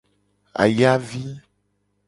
Ayavi.